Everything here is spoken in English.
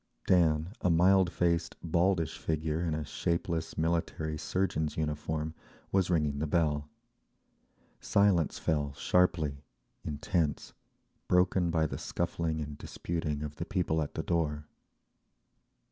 Dan, a mild faced, baldish figure in a shapeless military surgeon's uniform, was ringing the bell. Silence fell sharply, intense, broken by the scuffling and disputing of the people at the door….